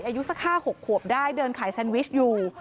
อายุสัก๕๖ขวบได้เดินขายแซนวิชอยู่